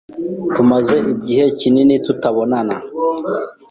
Tumaze igihe kinini tutabonana.